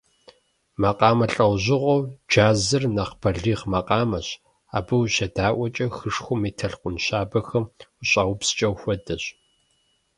Макъамэ лӏэужьыгъуэу джазыр нэхъ бэлигъ макъамэщ, абы ущедаӏуэкӏэ, хышхуэм и толъкун щабэхэм ущӏаупскӏэм хуэдэщ.